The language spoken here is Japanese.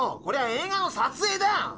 これは映画の撮影だ。